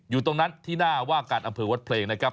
อยู่ตรงนั้นที่หน้าว่าการอำเภอวัดเพลงนะครับ